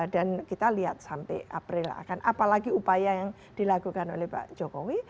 dan kita lihat sampai april akan apalagi upaya yang dilakukan oleh pak jokowi